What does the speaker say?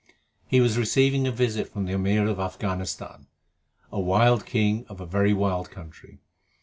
He was receiving a visit from the Amir of Afghanistan a wild king of a very wild country.